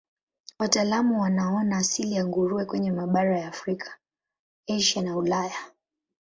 Wataalamu wanaona asili ya nguruwe kwenye mabara ya Afrika, Asia na Ulaya.